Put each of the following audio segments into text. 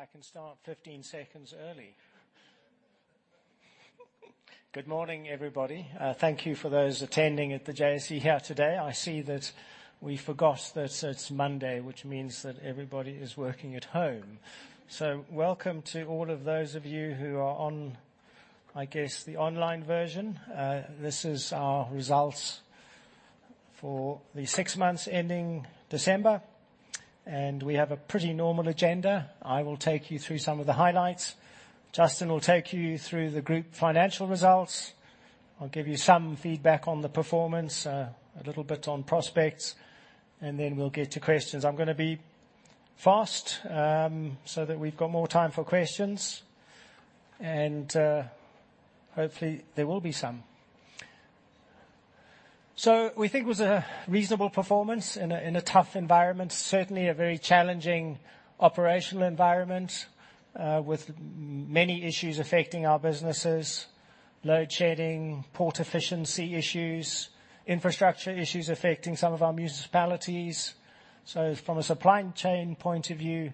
I think I can start 15 seconds early. Good morning, everybody. Thank you for those attending at the JSE here today. I see that we forgot that it's Monday, which means that everybody is working at home. So welcome to all of those of you who are on, I guess, the online version. This is our results for the six months ending December, and we have a pretty normal agenda. I will take you through some of the highlights. Justin will take you through the group financial results. I'll give you some feedback on the performance, a little bit on prospects, and then we'll get to questions. I'm gonna be fast, so that we've got more time for questions, and, hopefully there will be some. So we think it was a reasonable performance in a tough environment. Certainly, a very challenging operational environment, with many issues affecting our businesses: load shedding, port efficiency issues, infrastructure issues affecting some of our municipalities. So from a supply chain point of view,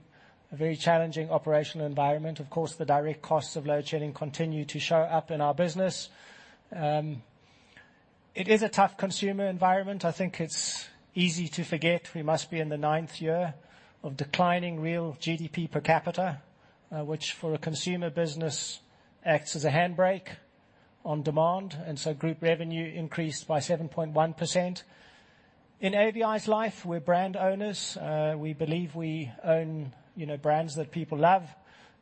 a very challenging operational environment. Of course, the direct costs of load shedding continue to show up in our business. It is a tough consumer environment. I think it's easy to forget we must be in the ninth year of declining real GDP per capita, which for a consumer business acts as a handbrake on demand, and so group revenue increased by 7.1%. In AVI's life, we're brand owners. We believe we own, you know, brands that people love,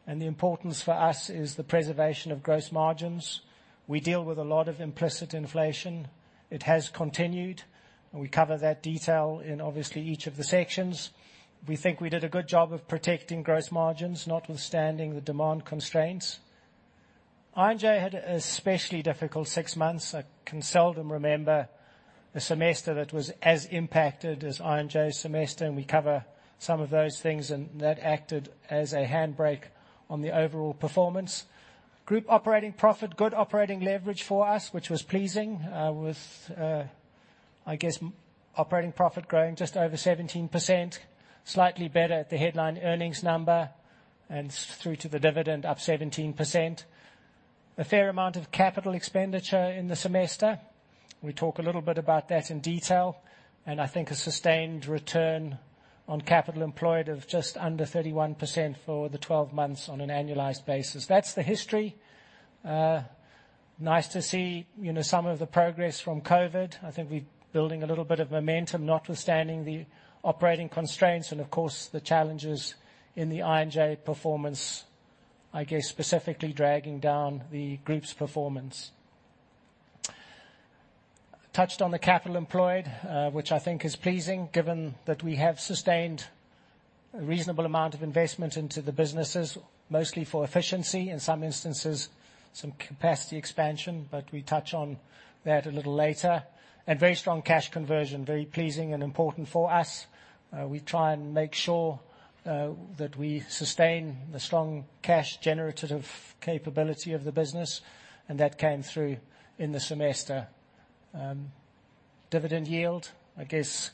and the importance for us is the preservation of gross margins. We deal with a lot of implicit inflation. It has continued, and we cover that detail in, obviously, each of the sections. We think we did a good job of protecting gross margins, notwithstanding the demand constraints. I&J had an especially difficult six months. I can seldom remember a semester that was as impacted as I&J's semester, and we cover some of those things, and that acted as a handbrake on the overall performance. Group operating profit, good operating leverage for us, which was pleasing, with, I guess operating profit growing just over 17%, slightly better at the headline earnings number and through to the dividend, up 17%. A fair amount of capital expenditure in the semester. We talk a little bit about that in detail, and I think a sustained return on capital employed of just under 31% for the 12 months on an annualized basis. That's the history. Nice to see, you know, some of the progress from COVID. I think we're building a little bit of momentum, notwithstanding the operating constraints and, of course, the challenges in the I&J performance, I guess, specifically dragging down the group's performance. Touched on the capital employed, which I think is pleasing, given that we have sustained a reasonable amount of investment into the businesses, mostly for efficiency, in some instances, some capacity expansion, but we touch on that a little later. Very strong cash conversion, very pleasing and important for us. We try and make sure that we sustain the strong cash generative capability of the business, and that came through in the semester. Dividend yield, I guess,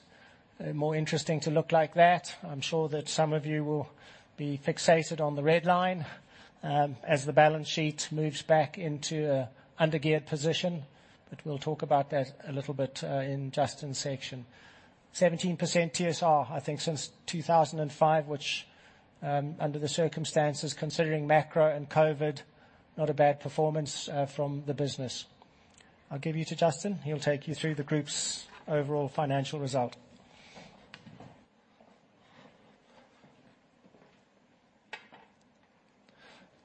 more interesting to look like that. I'm sure that some of you will be fixated on the red line, as the balance sheet moves back into a under-geared position, but we'll talk about that a little bit, in Justin's section. 17% TSR, I think, since 2005, which, under the circumstances, considering macro and COVID, not a bad performance, from the business. I'll give you to Justin. He'll take you through the group's overall financial result.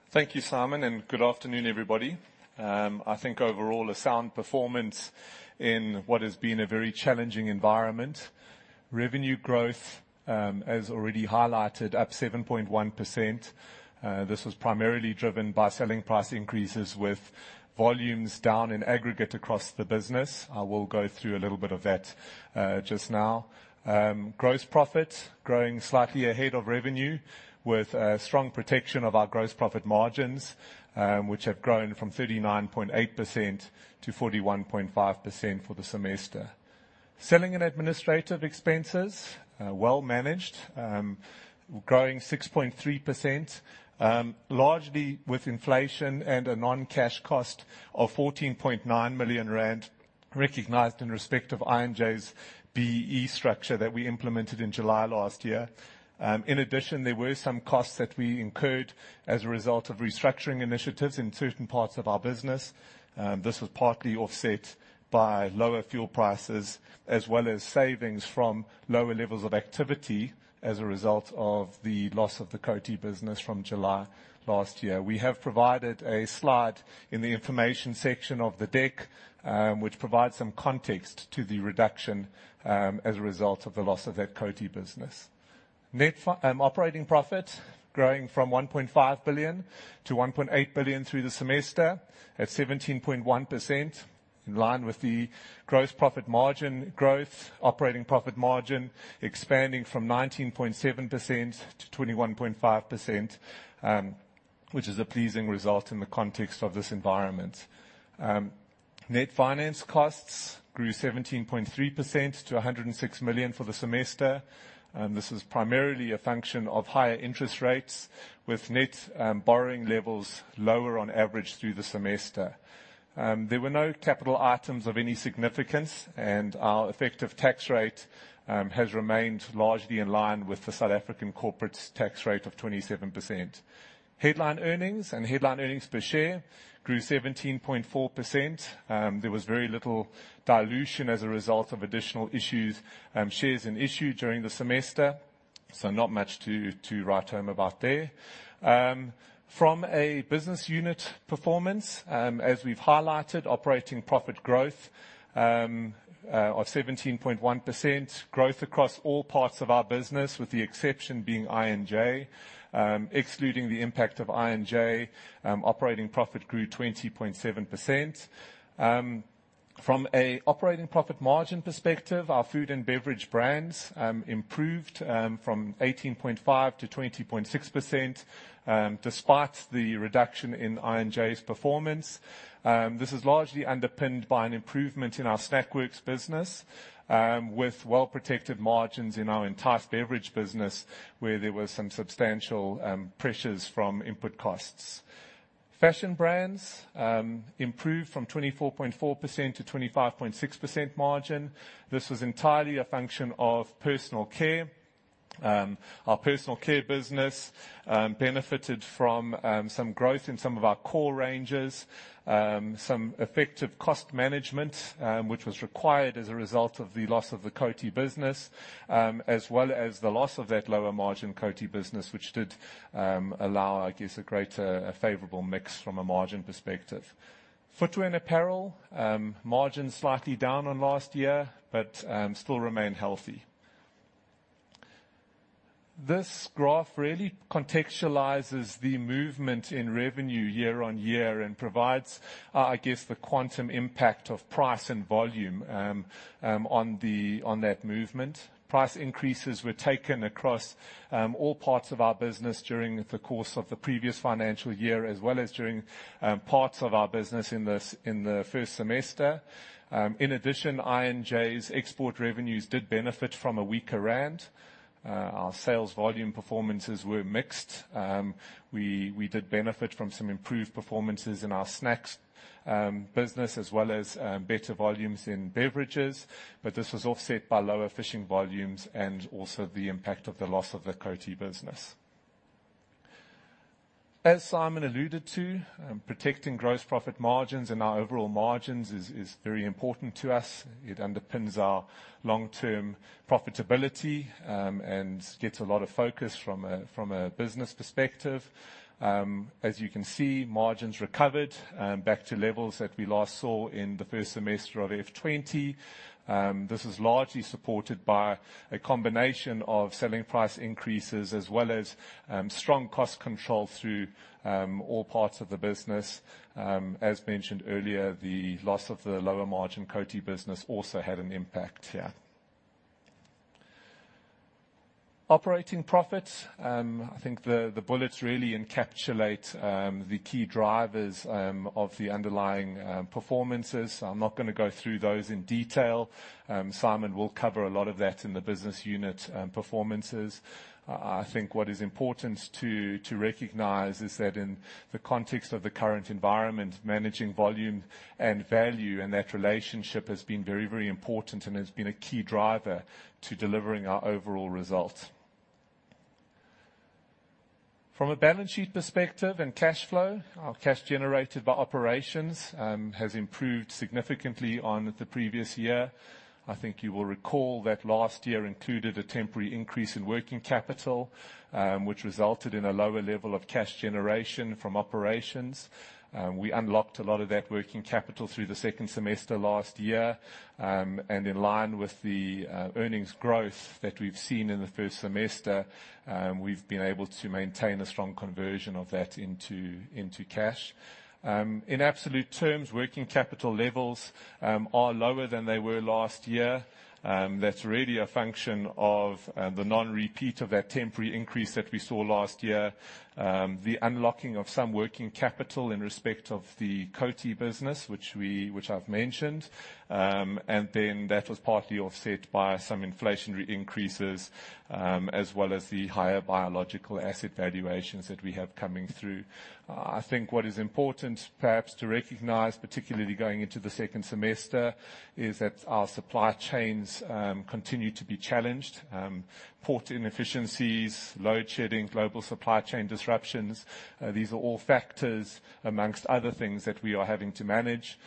Thank you, Simon, and good afternoon, everybody. I think overall, a sound performance in what has been a very challenging environment. Revenue growth, as already highlighted, up 7.1%. This was primarily driven by selling price increases with volumes down in aggregate across the business. I will go through a little bit of that, just now. Gross profit growing slightly ahead of revenue, with strong protection of our gross profit margins, which have grown from 39.8%-41.5% for the semester. Selling and administrative expenses, well managed, growing 6.3%, largely with inflation and a non-cash cost of 14.9 million rand, recognized in respect of I&J's BE structure that we implemented in July last year. In addition, there were some costs that we incurred as a result of restructuring initiatives in certain parts of our business. This was partly offset by lower fuel prices, as well as savings from lower levels of activity as a result of the loss of the Coty business from July last year. We have provided a slide in the information section of the deck, which provides some context to the reduction, as a result of the loss of that Coty business. Net operating profit, growing from 1.5 billion-1.8 billion through the semester at 17.1%, in line with the gross profit margin growth. Operating profit margin expanding from 19.7%-21.5%, which is a pleasing result in the context of this environment. Net finance costs grew 17.3% to 106 million for the semester, and this is primarily a function of higher interest rates, with net borrowing levels lower on average through the semester. There were no capital items of any significance, and our effective tax rate has remained largely in line with the South African corporate tax rate of 27%. Headline earnings and headline earnings per share grew 17.4%. There was very little dilution as a result of additional issues, shares and issue during the semester, so not much to, to write home about there. From a business unit performance, as we've highlighted, operating profit growth of 17.1%, growth across all parts of our business, with the exception being I&J. Excluding the impact of I&J, operating profit grew 20.7%. From an operating profit margin perspective, our food and beverage brands improved from 18.5%-20.6%, despite the reduction in I&J's performance. This is largely underpinned by an improvement in our Snackworks business, with well-protected margins in our entire beverage business, where there was some substantial pressures from input costs. Fashion brands improved from 24.4%-25.6% margin. This was entirely a function of personal care. Our personal care business benefited from some growth in some of our core ranges, some effective cost management, which was required as a result of the loss of the Coty business, as well as the loss of that lower margin Coty business, which did allow, I guess, a greater, a favorable mix from a margin perspective. Footwear and apparel margin slightly down on last year, but still remain healthy. This graph really contextualizes the movement in revenue year-on-year and provides, I guess, the quantum impact of price and volume on that movement. Price increases were taken across all parts of our business during the course of the previous financial year, as well as during parts of our business in this, in the first semester. In addition, I&J's export revenues did benefit from a weaker rand. Our sales volume performances were mixed. We, we did benefit from some improved performances in our snacks business, as well as better volumes in beverages, but this was offset by lower fishing volumes and also the impact of the loss of the Coty business. As Simon alluded to, protecting gross profit margins and our overall margins is, is very important to us. It underpins our long-term profitability, and gets a lot of focus from a business perspective. As you can see, margins recovered back to levels that we last saw in the first semester of F20. This is largely supported by a combination of selling price increases, as well as strong cost control through all parts of the business. As mentioned earlier, the loss of the lower margin Coty business also had an impact here. Operating profits, I think the bullets really encapsulate the key drivers of the underlying performances. I'm not gonna go through those in detail. Simon will cover a lot of that in the business unit performances. I think what is important to recognize is that in the context of the current environment, managing volume and value, and that relationship has been very, very important and has been a key driver to delivering our overall result. From a balance sheet perspective and cash flow, our cash generated by operations has improved significantly on the previous year. I think you will recall that last year included a temporary increase in working capital, which resulted in a lower level of cash generation from operations. We unlocked a lot of that working capital through the second semester last year, and in line with the earnings growth that we've seen in the first semester, we've been able to maintain a strong conversion of that into cash. In absolute terms, working capital levels are lower than they were last year. That's really a function of the non-repeat of that temporary increase that we saw last year, the unlocking of some working capital in respect of the Coty business, which I've mentioned. And then that was partly offset by some inflationary increases, as well as the higher biological asset valuations that we have coming through. I think what is important, perhaps to recognize, particularly going into the second semester, is that our supply chains continue to be challenged. Port inefficiencies, load shedding, global supply chain disruptions, these are all factors, among other things, that we are having to manage.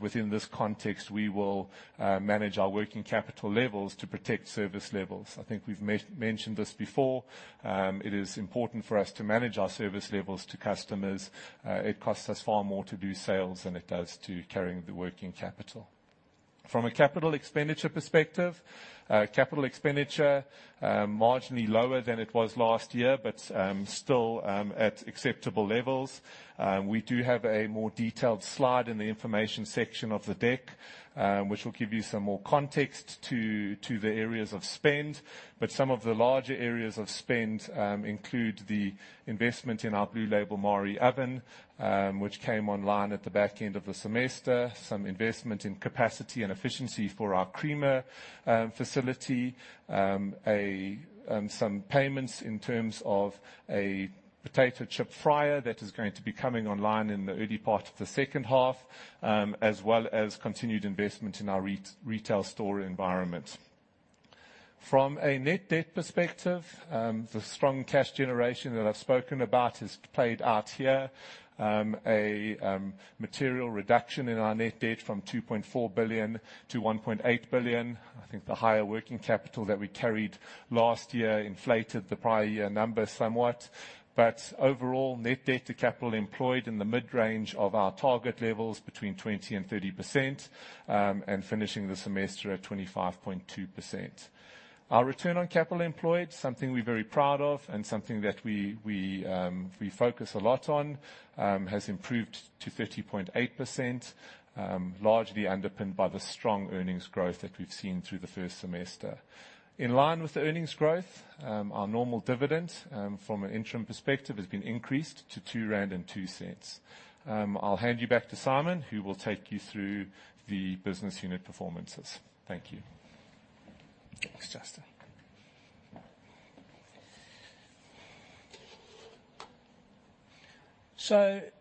Within this context, we will manage our working capital levels to protect service levels. I think we've mentioned this before. It is important for us to manage our service levels to customers. It costs us far more to do sales than it does to carrying the working capital. From a capital expenditure perspective, capital expenditure marginally lower than it was last year, but still at acceptable levels. We do have a more detailed slide in the information section of the deck, which will give you some more context to the areas of spend. But some of the larger areas of spend include the investment in our Blue Label Marie oven, which came online at the back end of the semester. Some investment in capacity and efficiency for our creamer facility. Some payments in terms of a potato chip fryer that is going to be coming online in the early part of the second half, as well as continued investment in our retail store environment. From a net debt perspective, the strong cash generation that I've spoken about has played out here. A material reduction in our net debt from 2.4 billion-1.8 billion. I think the higher working capital that we carried last year inflated the prior year numbers somewhat, but overall, net debt to capital employed in the mid-range of our target levels between 20% and 30%, and finishing the semester at 25.2%. Our return on capital employed, something we're very proud of and something that we focus a lot on, has improved to 30.8%, largely underpinned by the strong earnings growth that we've seen through the first semester. In line with the earnings growth, our normal dividend, from an interim perspective, has been increased to 2.02 rand. I'll hand you back to Simon, who will take you through the business unit performances. Thank you. Thanks, Justin.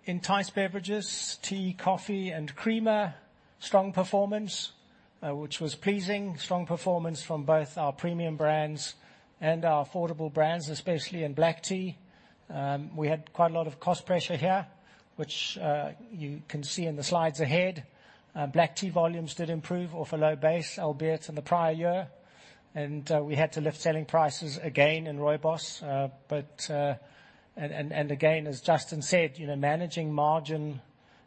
In Entyce Beverages, tea, coffee, and creamer, strong performance, which was pleasing. Strong performance from both our premium brands and our affordable brands, especially in black tea. We had quite a lot of cost pressure here, which you can see in the slides ahead. Black tea volumes did improve off a low base, albeit in the prior year, and we had to lift selling prices again in Rooibos. But, and again, as Justin said, you know, managing margin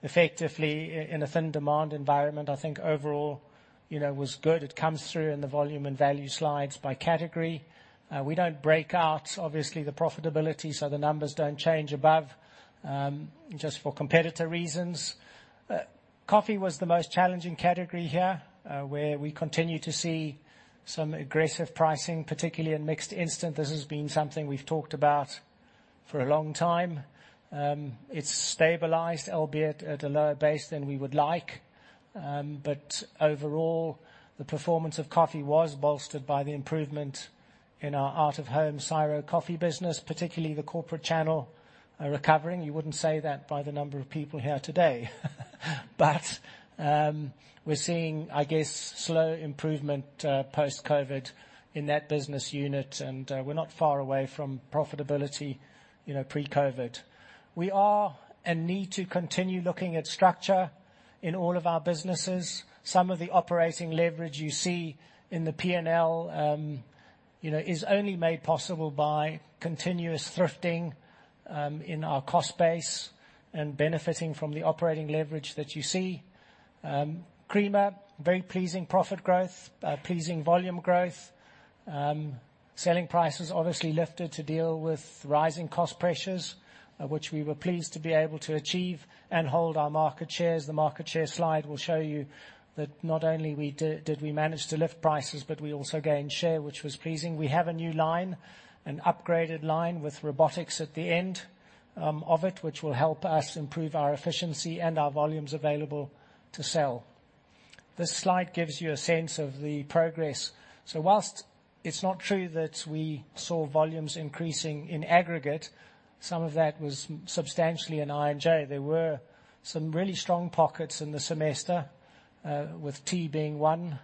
effectively in a thin demand environment, I think overall, you know, was good. It comes through in the volume and value slides by category. We don't break out, obviously, the profitability, so the numbers don't change above, just for competitor reasons. Coffee was the most challenging category here, where we continue to see some aggressive pricing, particularly in mixed instant. This has been something we've talked about for a long time. It's stabilized, albeit at a lower base than we would like. But overall, the performance of coffee was bolstered by the improvement in our out-of-home Ciro coffee business, particularly the corporate channel, recovering. You wouldn't say that by the number of people here today. But, we're seeing, I guess, slow improvement, post-COVID in that business unit, and, we're not far away from profitability, you know, pre-COVID. We are and need to continue looking at structure in all of our businesses. Some of the operating leverage you see in the P&L, you know, is only made possible by continuous thrifting in our cost base and benefiting from the operating leverage that you see. Creamer, very pleasing profit growth, pleasing volume growth. Selling prices obviously lifted to deal with rising cost pressures, which we were pleased to be able to achieve and hold our market shares. The market share slide will show you that not only did we manage to lift prices, but we also gained share, which was pleasing. We have a new line, an upgraded line with robotics at the end of it, which will help us improve our efficiency and our volumes available to sell. This slide gives you a sense of the progress. While it's not true that we saw volumes increasing in aggregate, some of that was substantially in I&J. There were some really strong pockets in the semester with tea being one,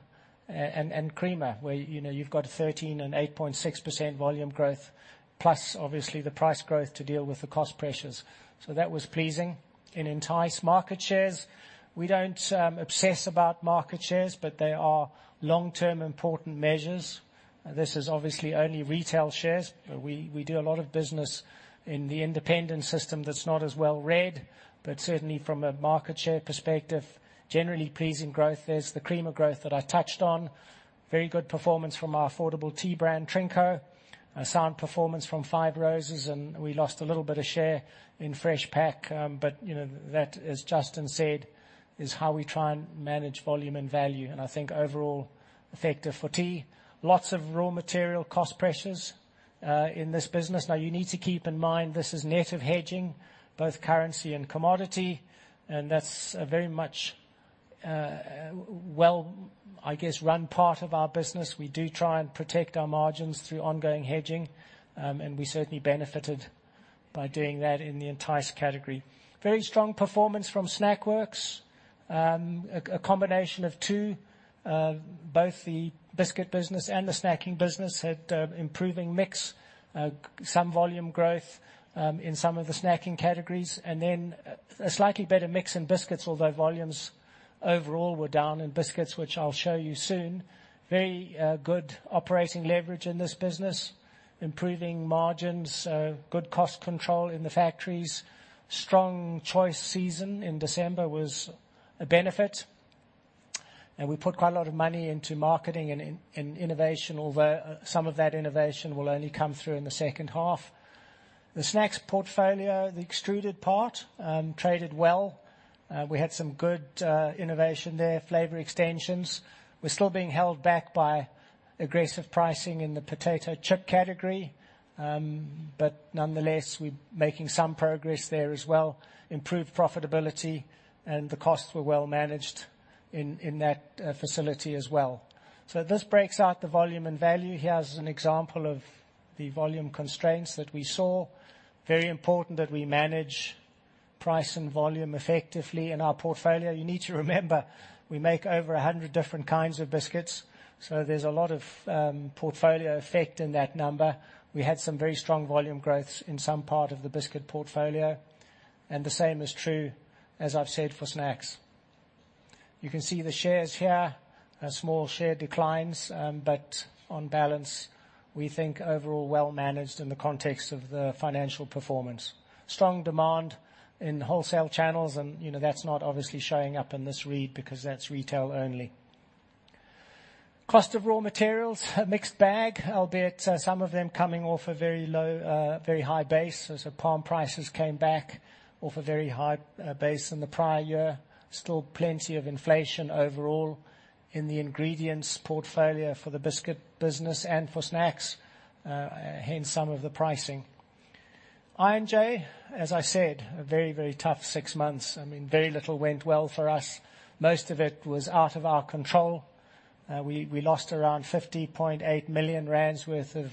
and creamer, where, you know, you've got 13% and 8.6% volume growth, plus obviously the price growth to deal with the cost pressures. So that was pleasing. In Entyce market shares, we don't obsess about market shares, but they are long-term, important measures. This is obviously only retail shares. We do a lot of business in the independent system that's not as well read, but certainly from a market share perspective, generally pleasing growth. There's the creamer growth that I touched on. Very good performance from our affordable tea brand, Trinco. A sound performance from Five Roses, and we lost a little bit of share in Freshpak. But, you know, that, as Justin said, is how we try and manage volume and value, and I think overall effective for tea. Lots of raw material cost pressures in this business. Now, you need to keep in mind, this is net of hedging, both currency and commodity, and that's a very much, well, I guess, run part of our business. We do try and protect our margins through ongoing hedging, and we certainly benefited by doing that in the Entyce category. Very strong performance from Snackworks. A combination of two, both the biscuit business and the snacking business had improving mix, some volume growth in some of the snacking categories, and then a slightly better mix in biscuits, although volumes overall were down in biscuits, which I'll show you soon. Very good operating leverage in this business. Improving margins, good cost control in the factories. Strong Christmas season in December was a benefit. We put quite a lot of money into marketing and innovation, although some of that innovation will only come through in the second half. The snacks portfolio, the extruded part, traded well. We had some good innovation there, flavor extensions. We're still being held back by aggressive pricing in the potato chip category, but nonetheless, we're making some progress there as well. Improved profitability, and the costs were well managed in that facility as well. So this breaks out the volume and value. Here is an example of the volume constraints that we saw. Very important that we manage price and volume effectively in our portfolio. You need to remember, we make over a hundred different kinds of biscuits, so there's a lot of portfolio effect in that number. We had some very strong volume growths in some part of the biscuit portfolio, and the same is true, as I've said, for snacks. You can see the shares here, small share declines, but on balance, we think overall well managed in the context of the financial performance. Strong demand in wholesale channels, and, you know, that's not obviously showing up in this read because that's retail only. Cost of raw materials, a mixed bag, albeit some of them coming off a very high base. So as palm prices came back off a very high base in the prior year, still plenty of inflation overall in the ingredients portfolio for the biscuit business and for snacks, hence some of the pricing. I&J, as I said, a very, very tough six months. I mean, very little went well for us. Most of it was out of our control. We, we lost around 50.8 million rand worth of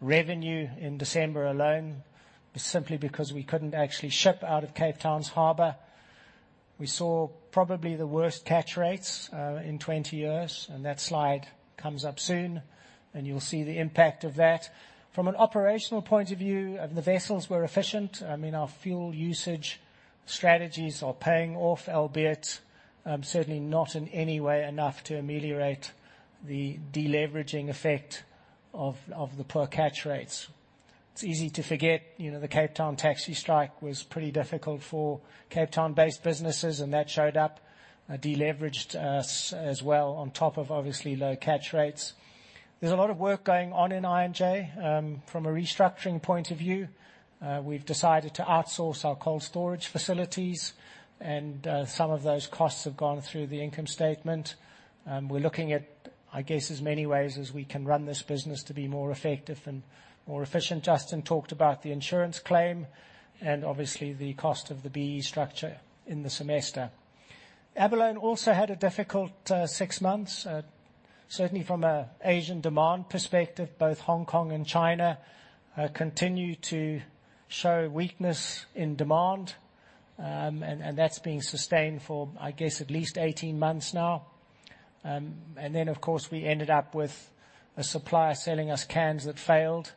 revenue in December alone, simply because we couldn't actually ship out of Cape Town's harbor. We saw probably the worst catch rates in 20 years, and that slide comes up soon, and you'll see the impact of that. From an operational point of view, the vessels were efficient. I mean, our fuel usage strategies are paying off, albeit, certainly not in any way enough to ameliorate the deleveraging effect of the poor catch rates. It's easy to forget, you know, the Cape Town taxi strike was pretty difficult for Cape Town-based businesses, and that showed up, deleveraged us as well on top of obviously low catch rates. There's a lot of work going on in I&J. From a restructuring point of view, we've decided to outsource our cold storage facilities, and some of those costs have gone through the income statement. We're looking at, I guess, as many ways as we can run this business to be more effective and more efficient. Justin talked about the insurance claim and obviously the cost of the BE structure in the semester. Abalone also had a difficult six months. Certainly from an Asian demand perspective, both Hong Kong and China continue to show weakness in demand, and that's been sustained for, I guess, at least 18 months now. And then, of course, we ended up with a supplier selling us cans that failed,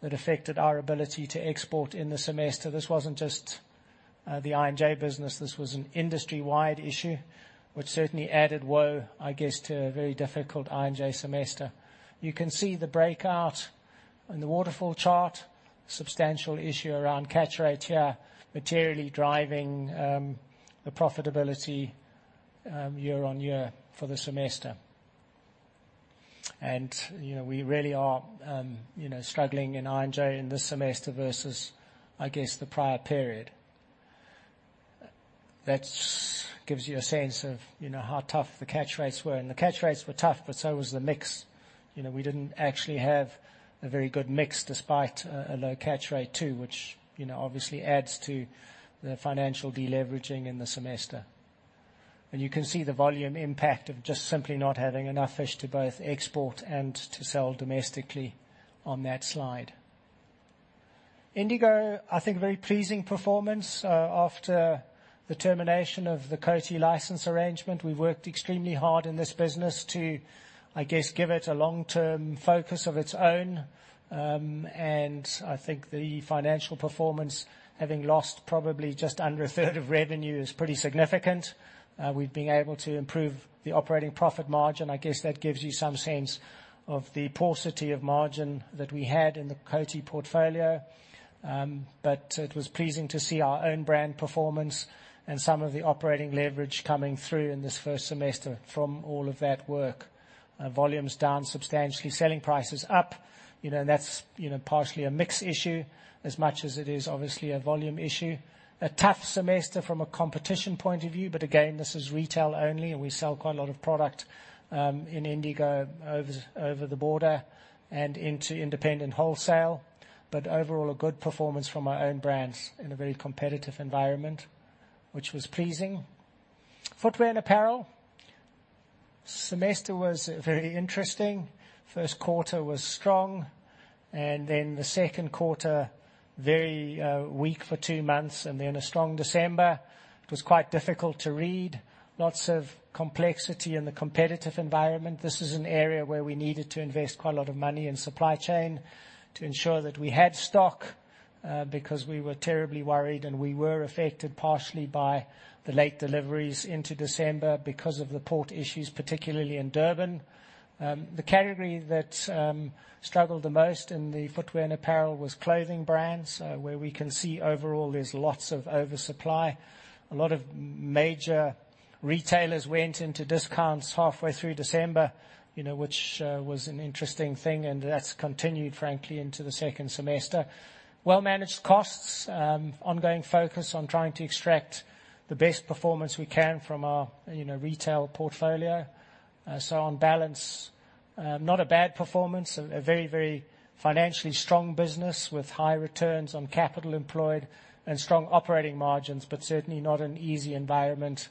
that affected our ability to export in the semester. This wasn't just the I&J business, this was an industry-wide issue, which certainly added woe, I guess, to a very difficult I&J semester. You can see the breakout in the waterfall chart, substantial issue around catch rate here, materially driving the profitability year-on-year for the semester. And, you know, we really are, you know, struggling in I&J in this semester versus, I guess, the prior period. That gives you a sense of, you know, how tough the catch rates were, and the catch rates were tough, but so was the mix. You know, we didn't actually have a very good mix, despite a low catch rate, too, which, you know, obviously adds to the financial deleveraging in the semester. And you can see the volume impact of just simply not having enough fish to both export and to sell domestically on that slide. Indigo, I think, a very pleasing performance. After the termination of the Coty license arrangement, we've worked extremely hard in this business to, I guess, give it a long-term focus of its own. And I think the financial performance, having lost probably just under a third of revenue, is pretty significant. We've been able to improve the operating profit margin. I guess that gives you some sense of the paucity of margin that we had in the Coty portfolio. But it was pleasing to see our own brand performance and some of the operating leverage coming through in this first semester from all of that work. Volumes down substantially, selling prices up, you know, that's, you know, partially a mix issue as much as it is obviously a volume issue. A tough semester from a competition point of view, but again, this is retail only, and we sell quite a lot of product in Indigo over, over the border and into independent wholesale. But overall, a good performance from our own brands in a very competitive environment, which was pleasing. Footwear and apparel. Semester was very interesting. First quarter was strong, and then the second quarter, very weak for two months, and then a strong December. It was quite difficult to read. Lots of complexity in the competitive environment. This is an area where we needed to invest quite a lot of money in supply chain to ensure that we had stock, because we were terribly worried, and we were affected partially by the late deliveries into December because of the port issues, particularly in Durban. The category that struggled the most in the footwear and apparel was clothing brands, where we can see overall there's lots of oversupply. A lot of major retailers went into discounts halfway through December, you know, which was an interesting thing, and that's continued, frankly, into the second semester. Well-managed costs, ongoing focus on trying to extract the best performance we can from our, you know, retail portfolio. So on balance, not a bad performance. A very, very financially strong business with high returns on capital employed and strong operating margins, but certainly not an easy environment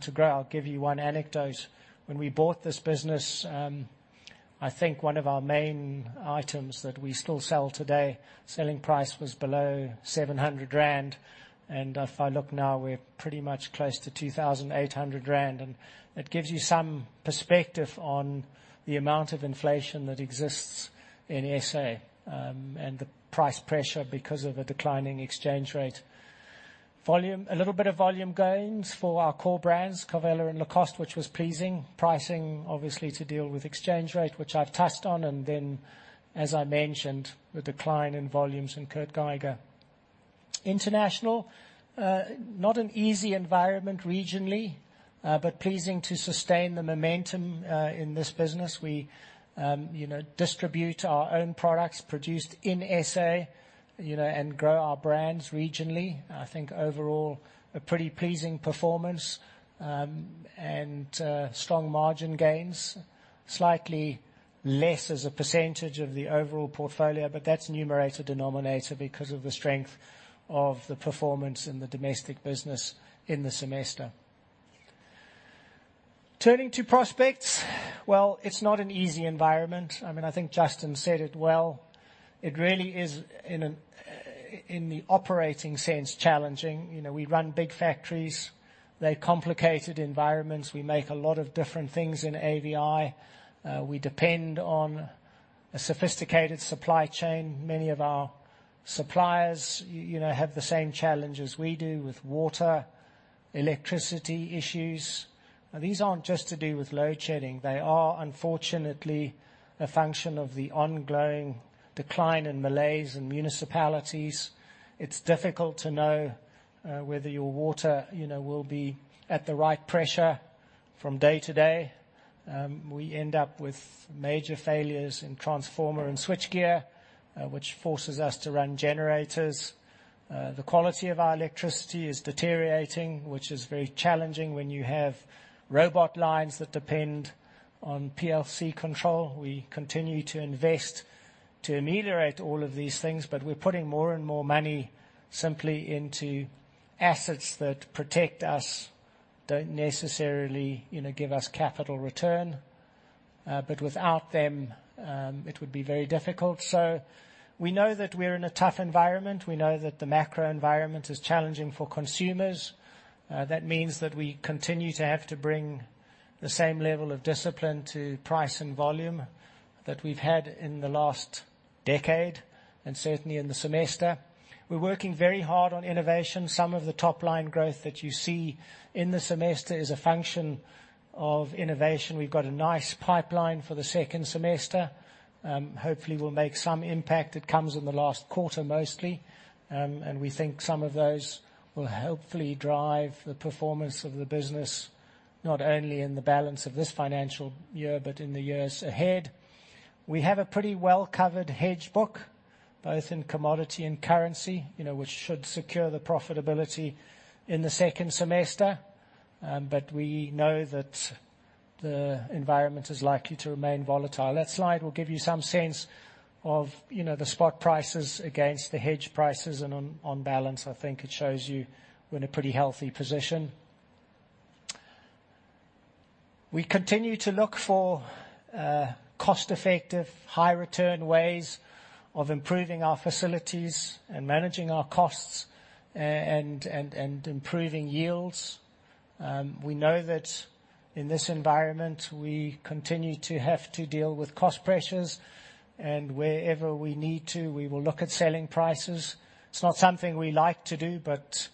to grow. I'll give you one anecdote. When we bought this business, I think one of our main items that we still sell today, selling price was below 700 rand, and if I look now, we're pretty much close to 2,800 rand. And that gives you some perspective on the amount of inflation that exists in SA, and the price pressure because of a declining exchange rate. Volume, a little bit of volume gains for our core brands, Carvela and Lacoste, which was pleasing. Pricing, obviously, to deal with exchange rate, which I've touched on, and then, as I mentioned, the decline in volumes in Kurt Geiger International. Not an easy environment regionally, but pleasing to sustain the momentum in this business. We, you know, distribute our own products produced in SA, you know, and grow our brands regionally. I think overall, a pretty pleasing performance, and strong margin gains. Slightly less as a percentage of the overall portfolio, but that's numerator, denominator because of the strength of the performance in the domestic business in the semester. Turning to prospects. Well, it's not an easy environment. I mean, I think Justin said it well. It really is, in the operating sense, challenging. You know, we run big factories. They're complicated environments. We make a lot of different things in AVI. We depend on a sophisticated supply chain. Many of our suppliers, you know, have the same challenge as we do with water, electricity issues. Now, these aren't just to do with load shedding. They are, unfortunately, a function of the ongoing decline in malaise and municipalities. It's difficult to know, whether your water, you know, will be at the right pressure from day to day. We end up with major failures in transformer and switchgear, which forces us to run generators. The quality of our electricity is deteriorating, which is very challenging when you have robot lines that depend on PLC control. We continue to invest to ameliorate all of these things, but we're putting more and more money simply into assets that protect us, don't necessarily, you know, give us capital return. But without them, it would be very difficult. So we know that we're in a tough environment. We know that the macro environment is challenging for consumers. That means that we continue to have to bring the same level of discipline to price and volume that we've had in the last decade, and certainly in the semester. We're working very hard on innovation. Some of the top-line growth that you see in the semester is a function of innovation. We've got a nice pipeline for the second semester. Hopefully, we'll make some impact. It comes in the last quarter, mostly. And we think some of those will hopefully drive the performance of the business, not only in the balance of this financial year, but in the years ahead. We have a pretty well-covered hedge book, both in commodity and currency, you know, which should secure the profitability in the second semester. But we know that the environment is likely to remain volatile. That slide will give you some sense of, you know, the spot prices against the hedge prices, and on, on balance, I think it shows you we're in a pretty healthy position. We continue to look for, cost-effective, high-return ways of improving our facilities and managing our costs, and improving yields. We know that in this environment, we continue to have to deal with cost pressures, and wherever we need to, we will look at selling prices. It's not something we like to do, but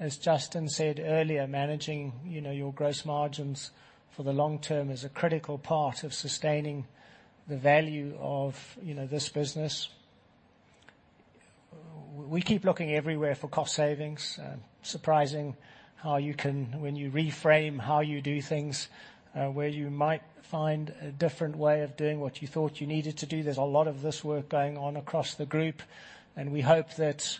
as Justin said earlier, managing, you know, your gross margins for the long term is a critical part of sustaining the value of, you know, this business. We keep looking everywhere for cost savings. Surprising how you can... When you reframe how you do things, where you might find a different way of doing what you thought you needed to do. There's a lot of this work going on across the group, and we hope that,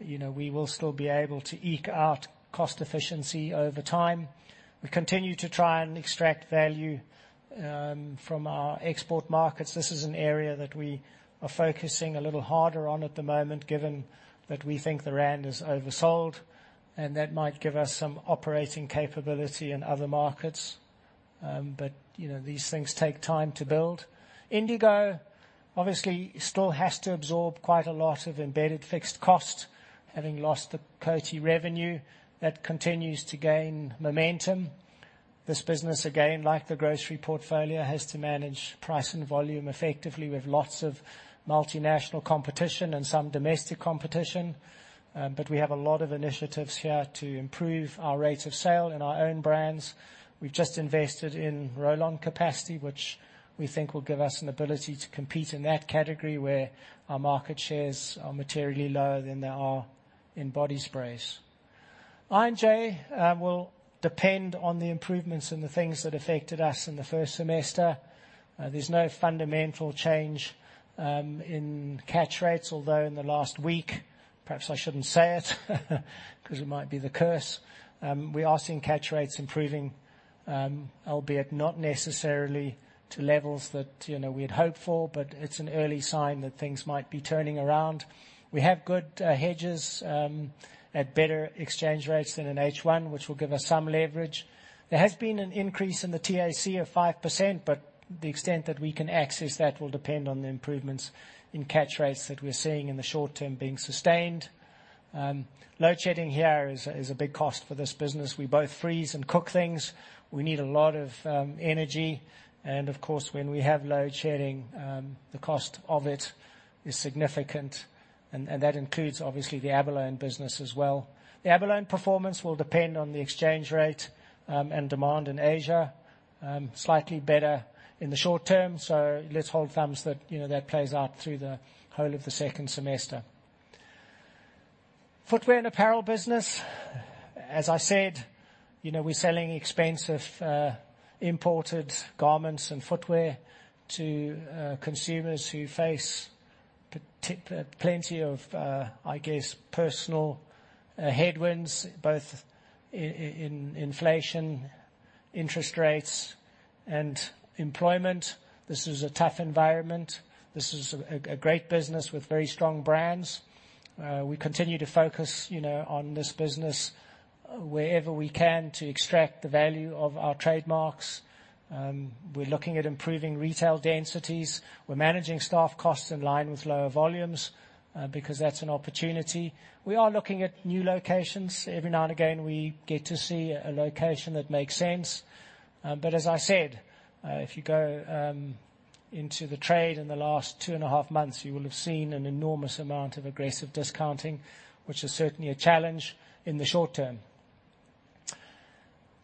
you know, we will still be able to eke out cost efficiency over time. We continue to try and extract value from our export markets. This is an area that we are focusing a little harder on at the moment, given that we think the Rand is oversold, and that might give us some operating capability in other markets. But, you know, these things take time to build. Indigo, obviously, still has to absorb quite a lot of embedded fixed cost, having lost the Coty revenue that continues to gain momentum. This business, again, like the grocery portfolio, has to manage price and volume effectively with lots of multinational competition and some domestic competition, but we have a lot of initiatives here to improve our rate of sale in our own brands. We've just invested in roll-on capacity, which we think will give us an ability to compete in that category where our market shares are materially lower than they are in body sprays. I&J will depend on the improvements in the things that affected us in the first semester. There's no fundamental change in catch rates, although in the last week, perhaps I shouldn't say it, because it might be the curse, we are seeing catch rates improving, albeit not necessarily to levels that, you know, we had hoped for, but it's an early sign that things might be turning around. We have good hedges at better exchange rates than in H1, which will give us some leverage. There has been an increase in the TAC of 5%, but the extent that we can access that will depend on the improvements in catch rates that we're seeing in the short term being sustained. Load shedding here is a big cost for this business. We both freeze and cook things. We need a lot of energy, and of course, when we have load shedding, the cost of it is significant, and that includes, obviously, the abalone business as well. The abalone performance will depend on the exchange rate and demand in Asia. Slightly better in the short term, so let's hold thumbs that, you know, that plays out through the whole of the second semester. Footwear and apparel business, as I said, you know, we're selling expensive, imported garments and footwear to, consumers who face plenty of, I guess, personal headwinds, both in inflation, interest rates, and employment. This is a tough environment. This is a great business with very strong brands. We continue to focus, you know, on this business wherever we can to extract the value of our trademarks. We're looking at improving retail densities. We're managing staff costs in line with lower volumes, because that's an opportunity. We are looking at new locations. Every now and again, we get to see a location that makes sense, but as I said, if you go into the trade in the last two and a half months, you will have seen an enormous amount of aggressive discounting, which is certainly a challenge in the short term.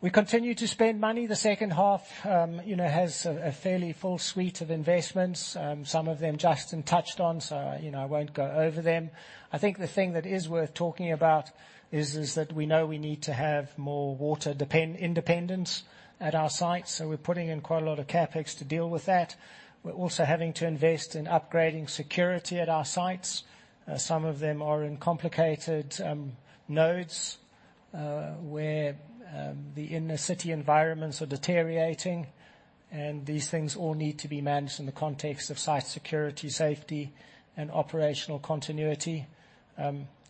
We continue to spend money. The second half, you know, has a fairly full suite of investments, some of them Justin touched on, so, you know, I won't go over them. I think the thing that is worth talking about is that we know we need to have more water independence at our sites, so we're putting in quite a lot of CapEx to deal with that. We're also having to invest in upgrading security at our sites. Some of them are in complicated nodes, where the inner-city environments are deteriorating, and these things all need to be managed in the context of site security, safety, and operational continuity.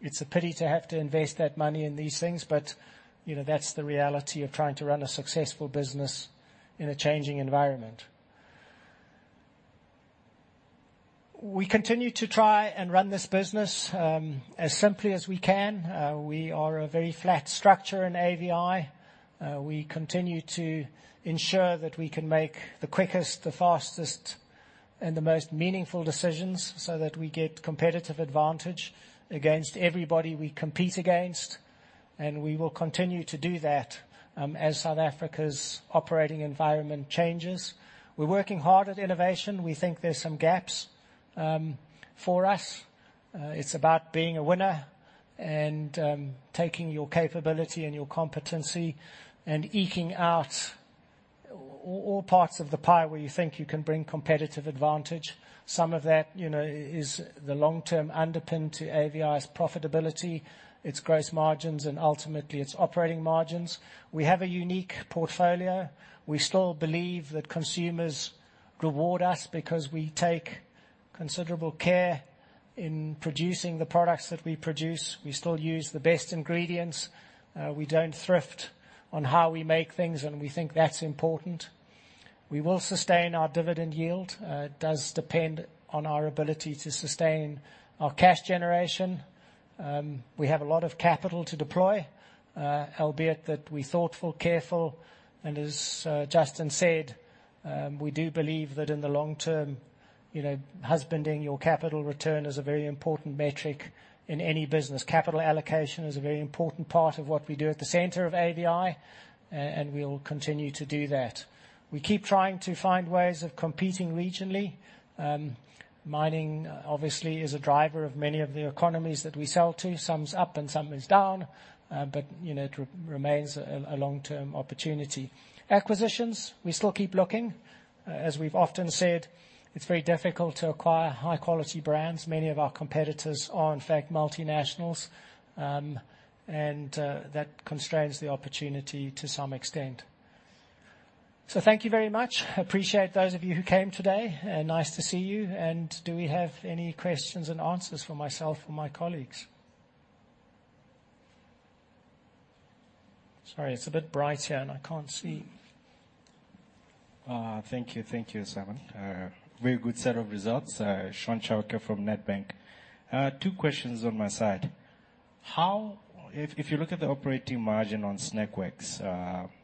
It's a pity to have to invest that money in these things, but, you know, that's the reality of trying to run a successful business in a changing environment. We continue to try and run this business as simply as we can. We are a very flat structure in AVI. We continue to ensure that we can make the quickest, the fastest, and the most meaningful decisions so that we get competitive advantage against everybody we compete against, and we will continue to do that as South Africa's operating environment changes. We're working hard at innovation. We think there's some gaps. For us, it's about being a winner and taking your capability and your competency and eking out all parts of the pie where you think you can bring competitive advantage. Some of that, you know, is the long-term underpin to AVI's profitability, its gross margins, and ultimately, its operating margins. We have a unique portfolio. We still believe that consumers reward us because we take considerable care in producing the products that we produce. We still use the best ingredients. We don't thrift on how we make things, and we think that's important. We will sustain our dividend yield. It does depend on our ability to sustain our cash generation. We have a lot of capital to deploy, albeit that we're thoughtful, careful, and as Justin said, we do believe that in the long term, you know, husbanding your capital return is a very important metric in any business. Capital allocation is a very important part of what we do at the center of AVI, and we will continue to do that. We keep trying to find ways of competing regionally. Mining, obviously, is a driver of many of the economies that we sell to. Some's up, and some is down, but, you know, it remains a long-term opportunity. Acquisitions, we still keep looking. As we've often said, it's very difficult to acquire high-quality brands. Many of our competitors are, in fact, multinationals, and that constrains the opportunity to some extent. So thank you very much. I appreciate those of you who came today, and nice to see you, and do we have any questions and answers for myself or my colleagues? Sorry, it's a bit bright here, and I can't see.... Thank you. Thank you, Simon. Very good set of results. Shaun Chauke from Nedbank. Two questions on my side: If you look at the operating margin on Snackworks,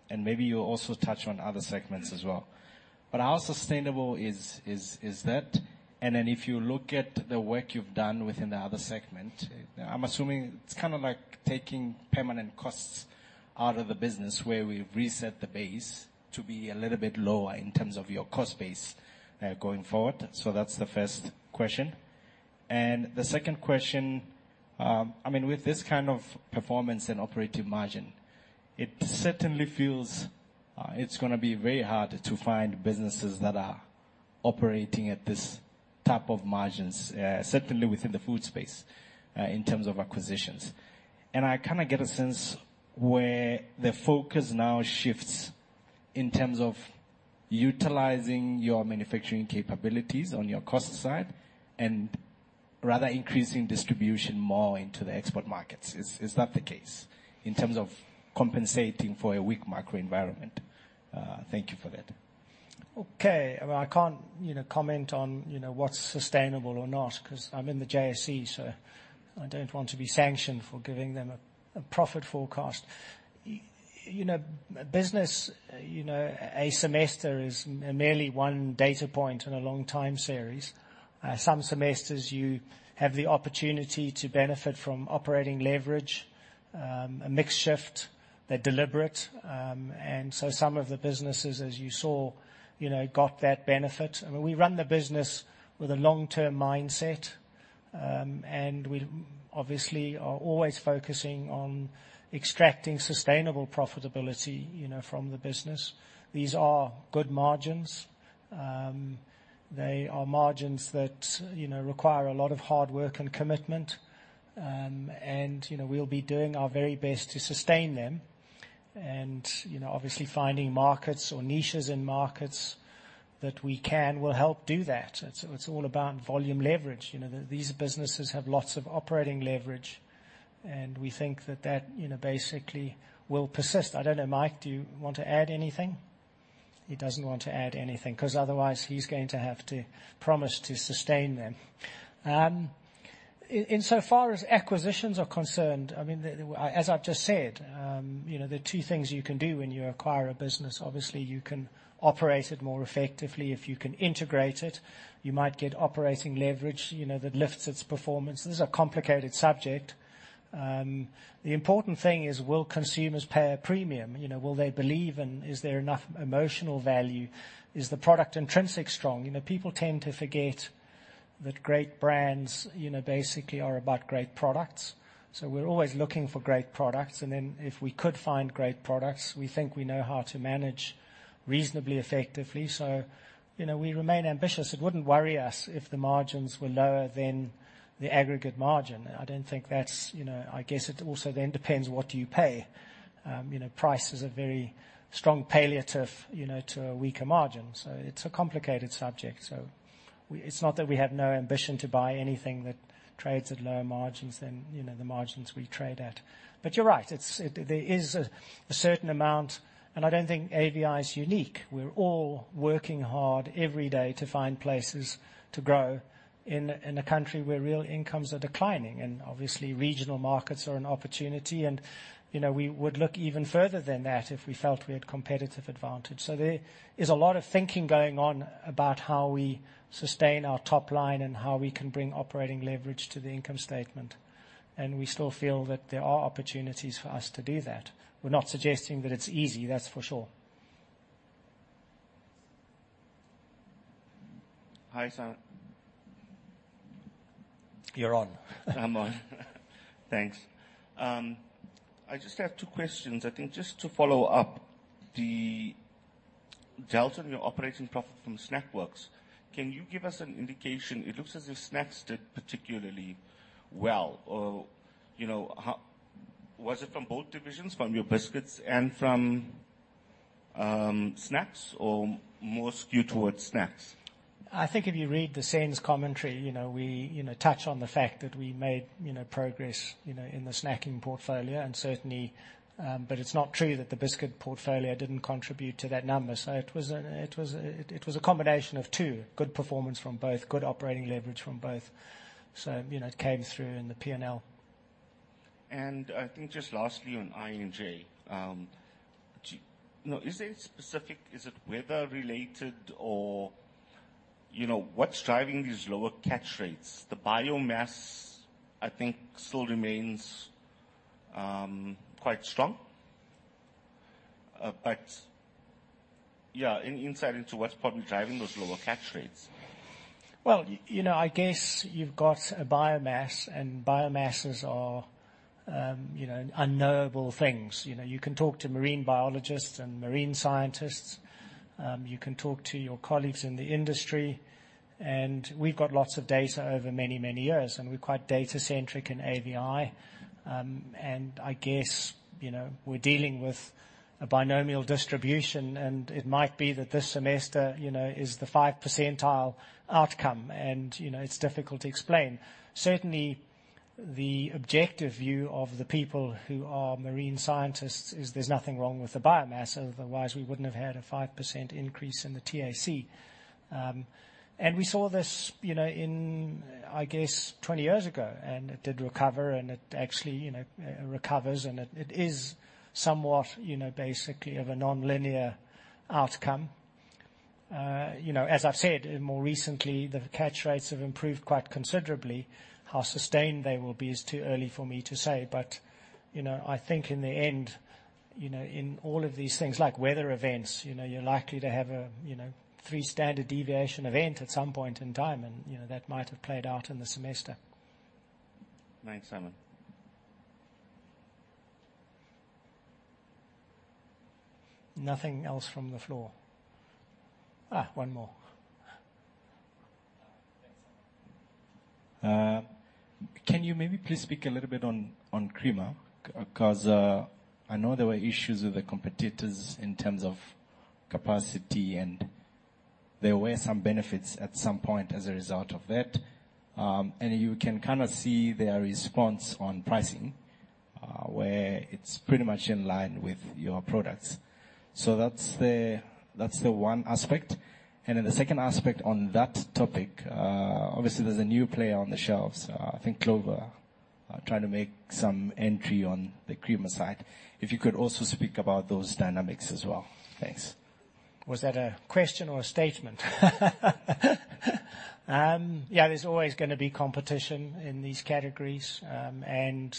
and maybe you'll also touch on other segments as well, but how sustainable is that? And then if you look at the work you've done within the other segment, I'm assuming it's kind of like taking permanent costs out of the business, where we've reset the base to be a little bit lower in terms of your cost base, going forward. So that's the first question. The second question, I mean, with this kind of performance and operating margin, it certainly feels it's gonna be very hard to find businesses that are operating at this type of margins, certainly within the food space, in terms of acquisitions. I kinda get a sense where the focus now shifts in terms of utilizing your manufacturing capabilities on your cost side, and rather increasing distribution more into the export markets. Is that the case, in terms of compensating for a weak macro environment? Thank you for that. Okay. Well, I can't, you know, comment on, you know, what's sustainable or not, 'cause I'm in the JSE, so I don't want to be sanctioned for giving them a profit forecast. You know, business, you know, a semester is merely one data point in a long time series. Some semesters you have the opportunity to benefit from operating leverage, a mix shift, they're deliberate. And so some of the businesses, as you saw, you know, got that benefit. I mean, we run the business with a long-term mindset. And we obviously are always focusing on extracting sustainable profitability, you know, from the business. These are good margins. They are margins that, you know, require a lot of hard work and commitment, and, you know, we'll be doing our very best to sustain them. You know, obviously, finding markets or niches in markets that we can, will help do that. It's all about volume leverage. You know, these businesses have lots of operating leverage, and we think that that, you know, basically will persist. I don't know, Mike, do you want to add anything? He doesn't want to add anything, 'cause otherwise he's going to have to promise to sustain them. Insofar as acquisitions are concerned, I mean, the, as I've just said, you know, there are two things you can do when you acquire a business. Obviously, you can operate it more effectively. If you can integrate it, you might get operating leverage, you know, that lifts its performance. This is a complicated subject. The important thing is, will consumers pay a premium? You know, will they believe in... Is there enough emotional value? Is the product intrinsically strong? You know, people tend to forget that great brands, you know, basically are about great products. So we're always looking for great products, and then if we could find great products, we think we know how to manage reasonably effectively. So, you know, we remain ambitious. It wouldn't worry us if the margins were lower than the aggregate margin. I don't think that's, you know... I guess it also then depends, what do you pay? You know, price is a very strong palliative, you know, to a weaker margin, so it's a complicated subject. So we, it's not that we have no ambition to buy anything that trades at lower margins than, you know, the margins we trade at. But you're right, it's, there is a, a certain amount, and I don't think AVI is unique. We're all working hard every day to find places to grow in a, in a country where real incomes are declining, and obviously regional markets are an opportunity. You know, we would look even further than that if we felt we had competitive advantage. There is a lot of thinking going on about how we sustain our top line and how we can bring operating leverage to the income statement, and we still feel that there are opportunities for us to do that. We're not suggesting that it's easy, that's for sure. Hi, Simon. You're on. I'm on. Thanks. I just have two questions. I think just to follow up the delta in your operating profit from Snackworks, can you give us an indication? It looks as if snacks did particularly well, or, you know, how... Was it from both divisions, from your biscuits and from snacks, or more skewed towards snacks? I think if you read the SENS commentary, you know, we, you know, touch on the fact that we made, you know, progress, you know, in the snacking portfolio, and certainly, but it's not true that the biscuit portfolio didn't contribute to that number. So it was a combination of two. Good performance from both, good operating leverage from both. So, you know, it came through in the P&L. I think just lastly on I&J, you know, is there a specific, is it weather related, or you know, what's driving these lower catch rates? The biomass, I think, still remains quite strong. But yeah, any insight into what's probably driving those lower catch rates? Well, you know, I guess you've got a biomass, and biomasses are, you know, unknowable things. You know, you can talk to marine biologists and marine scientists, you can talk to your colleagues in the industry, and we've got lots of data over many, many years, and we're quite data-centric in AVI. And I guess, you know, we're dealing with a binomial distribution, and it might be that this semester, you know, is the five percentile outcome, and, you know, it's difficult to explain. Certainly, the objective view of the people who are marine scientists is there's nothing wrong with the biomass, otherwise we wouldn't have had a 5% increase in the TAC. And we saw this, you know, in, I guess, 20 years ago, and it did recover, and it actually, you know, recovers, and it, it is somewhat, you know, basically of a nonlinear outcome. You know, as I've said, more recently, the catch rates have improved quite considerably. How sustained they will be is too early for me to say, but, you know, I think in the end, you know, in all of these things, like weather events, you know, you're likely to have a, you know, three standard deviation event at some point in time, and, you know, that might have played out in the semester. Thanks, Simon. Nothing else from the floor? Ah, one more. Can you maybe please speak a little bit on creamer? Because I know there were issues with the competitors in terms of capacity, and there were some benefits at some point as a result of that. And you can kinda see their response on pricing, where it's pretty much in line with your products. So that's the one aspect. And then the second aspect on that topic, obviously, there's a new player on the shelves. I think Clover are trying to make some entry on the creamer side. If you could also speak about those dynamics as well. Thanks. Was that a question or a statement? Yeah, there's always gonna be competition in these categories. And,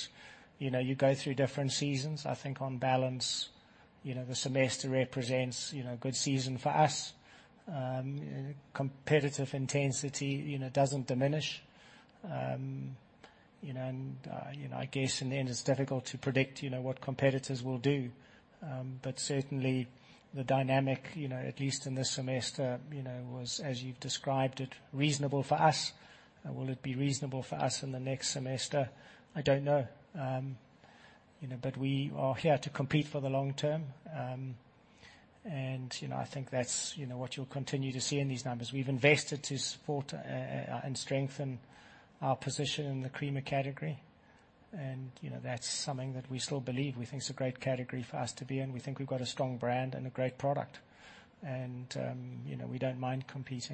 you know, you go through different seasons. I think on balance, you know, the semester represents, you know, a good season for us. Competitive intensity, you know, doesn't diminish. You know, and, I guess in the end, it's difficult to predict, you know, what competitors will do. But certainly, the dynamic, you know, at least in this semester, you know, was, as you've described it, reasonable for us. Will it be reasonable for us in the next semester? I don't know. You know, but we are here to compete for the long term. And, you know, I think that's, you know, what you'll continue to see in these numbers. We've invested to support, and strengthen our position in the creamer category, and, you know, that's something that we still believe. We think it's a great category for us to be in. We think we've got a strong brand and a great product. And, you know, we don't mind competing.